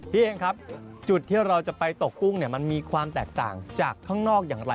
พี่เองครับจุดที่เราจะไปตกกุ้งเนี่ยมันมีความแตกต่างจากข้างนอกอย่างไร